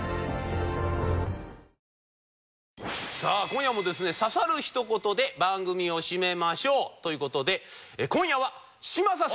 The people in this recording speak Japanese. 今夜もですね刺さるひと言で番組を締めましょう。という事で今夜は嶋佐さん。